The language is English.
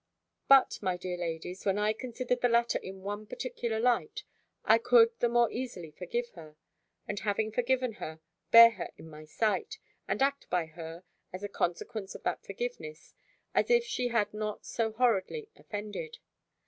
But, my dear ladies, when I considered the latter in one particular light, I could the more easily forgive her; and having forgiven her, bear her in my sight, and act by her (as a consequence of that forgiveness) as if she had not so horridly offended.